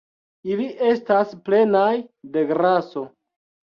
Ili estas plenaj de graso